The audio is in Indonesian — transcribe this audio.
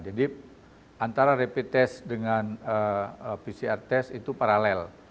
jadi antara rapid test dengan pcr test itu paralel